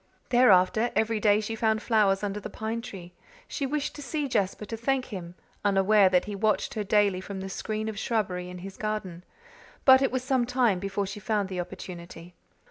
Thereafter, every day she found flowers under the pine tree; she wished to see Jasper to thank him, unaware that he watched her daily from the screen of shrubbery in his garden; but it was some time before she found the opportunity.